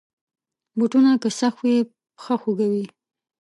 بوټونه که سخت وي، پښه خوږوي.